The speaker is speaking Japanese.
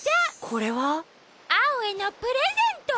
これは？アオへのプレゼント！